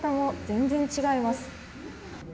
全然違います。